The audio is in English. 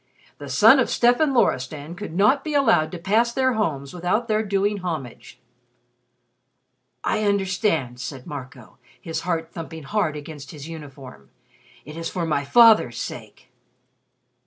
The son of Stefan Loristan could not be allowed to pass their homes without their doing homage." "I understand," said Marco, his heart thumping hard against his uniform. "It is for my father's sake."